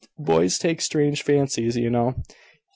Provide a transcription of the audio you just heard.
Boys take strange fancies, you know.